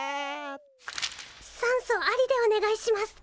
酸素ありでお願いします。